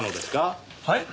はい？